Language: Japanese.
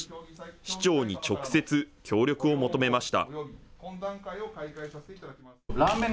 市長に直接、協力を求めました。